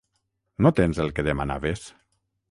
No tens el que demanaves?